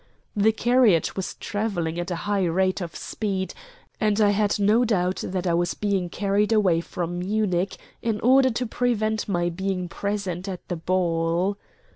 The carriage was travelling at a high rate of speed, and I had no doubt that I was being carried away from Munich in order to prevent my being present at the ball.